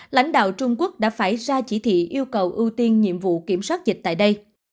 lãnh đạo trung quốc đã phải ra chỉ thị yêu cầu ưu tiên nhiệm vụ kiểm soát dịch tại đây